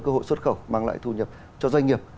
cơ hội xuất khẩu mang lại thu nhập cho doanh nghiệp